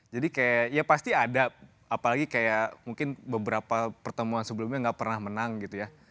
kayak ya pasti ada apalagi kayak mungkin beberapa pertemuan sebelumnya gak pernah menang gitu ya